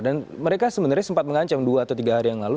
dan mereka sebenarnya sempat mengancam dua atau tiga hari yang lalu